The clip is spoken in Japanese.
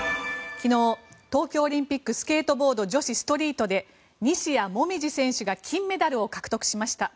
昨日、東京オリンピックスケートボード女子ストリートで西矢椛選手が金メダルを獲得しました。